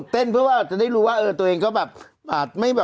เพื่อว่าจะได้รู้ว่าตัวเองก็แบบ